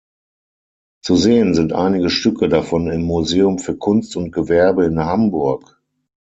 Zu sehen sind einige Stücke davon im Museum für Kunst und Gewerbe in Hamburg.